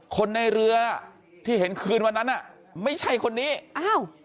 คนในเรือที่เห็นคืนวันนั้นอ่ะไม่ใช่คนนี้อ้าว